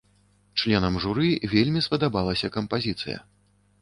Членам журы вельмі спадабалася кампазіцыя.